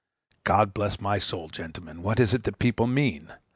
God bless my soul, gentlemen, what is it that people mean?